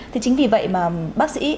thì chính vì vậy mà bác sĩ